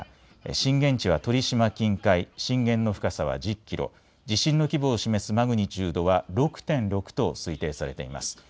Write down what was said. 震源地は鳥島近海、震源の深さは１０キロ、地震の規模を示すマグニチュードは６．６と推定されます。